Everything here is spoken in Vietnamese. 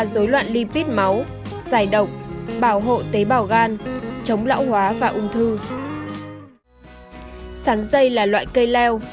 dối loạn lipid máu giải độc bảo hộ tế bào gan chống lão hóa và ung thư sáng dây là loại cây leo